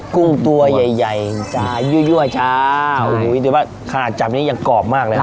กุ้งตัวใหญ่จ้ายั่วจ้าโอ้โหเดี๋ยวไหมขนาดจำนี้ยังกรอบมากเลยครับ